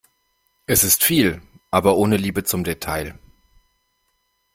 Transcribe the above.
Es ist viel, aber ohne Liebe zum Detail.